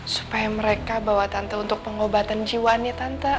supaya mereka bawa tanta untuk pengobatan jiwa nih tante